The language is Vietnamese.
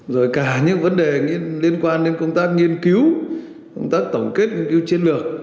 rồi cả những vấn đề liên quan đến công tác nghiên cứu công tác tổng kết nghiên cứu chiến lược